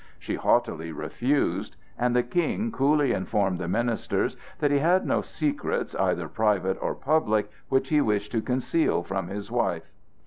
She haughtily refused, and the King coolly informed the ministers that he had no secrets either private or public which he wished to conceal from his wife.